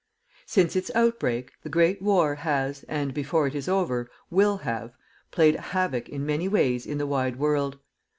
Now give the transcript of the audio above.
Since its outbreak the great war has, and, before it is over, will have, played havoc in many ways in the wide world.